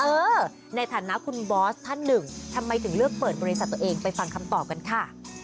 เออในฐานะคุณบอสท่านหนึ่งทำไมถึงเลือกเปิดบริษัทตัวเองไปฟังคำตอบกันค่ะ